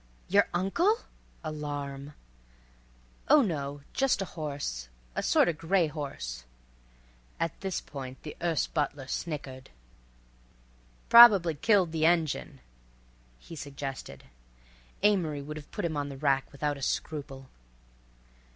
"Your uncle?"—alarm. "Oh, no just a horse—a sorta gray horse." At this point the Erse butler snickered. "Probably killed the engine," he suggested. Amory would have put him on the rack without a scruple.